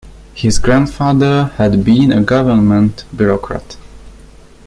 His grandfather had been a government bureaucrat.